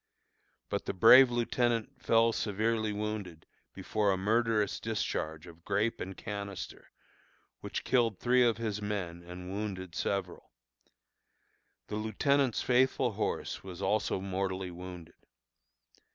But the brave lieutenant fell severely wounded before a murderous discharge of grape and canister, which killed three of his men and wounded several. The lieutenant's faithful horse was also mortally wounded.